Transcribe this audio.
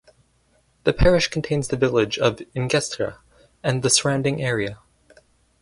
The parish contains the village of Ingestre and the surrounding area.